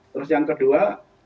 terus yang kedua